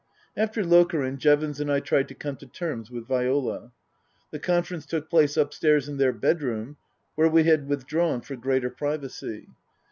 After Lokeren Jevons and I tried to come to terms with Viola. The conference took place upstairs in their bedroom, where we had withdrawn for greater privacy.